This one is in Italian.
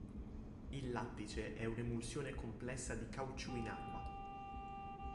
Il lattice è un'emulsione complessa di caucciù in acqua.